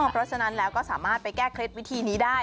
เพราะฉะนั้นแล้วก็สามารถไปแก้เคล็ดวิธีนี้ได้